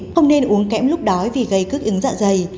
không nên uống kẽm lúc đói vì gây cước ứng dạ dày